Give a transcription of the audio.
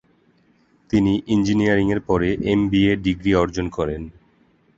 তিনি ইঞ্জিনিয়ারিং এর পরে এমবিএ ডিগ্রি অর্জন করেন।